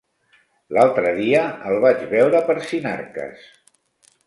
L'altre dia el vaig veure per Sinarques.